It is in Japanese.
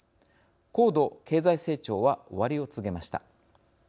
高度経済成長は終わりを告げました。